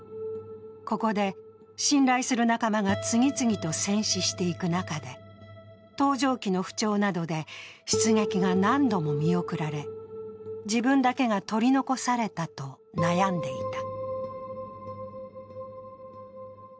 ここで信頼する仲間が次々と戦死していく中で、搭乗機の不調などで出撃が何度も見送られ、自分だけが取り残されたと悩んでいた。